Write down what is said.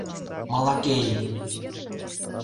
Малакей.